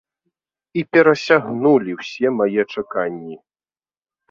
І перасягнулі ўсе мае чаканні!